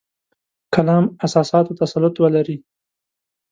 کلام اساساتو تسلط ولري.